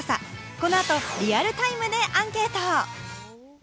この後、リアルタイムでアンケート！